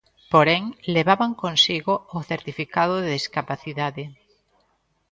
Porén, levaban consigo o certificado de discapacidade.